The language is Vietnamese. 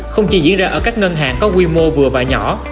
không chỉ diễn ra ở các ngân hàng có quy mô vừa và nhỏ